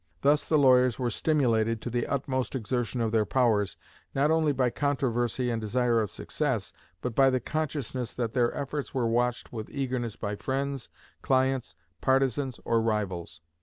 Thus the lawyers were stimulated to the utmost exertion of their powers, not only by controversy and desire of success, but by the consciousness that their efforts were watched with eagerness by friends, clients, partisans, or rivals.